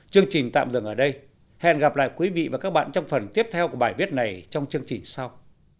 chương trình tạm dừng ở đây hẹn gặp lại quý vị và các bạn trong phần tiếp theo của bài viết này trong chương trình sau